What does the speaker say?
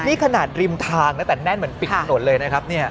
นี่ขนาดริมทางนะแต่แน่นเหมือนปิดถนนเลยนะครับเนี่ย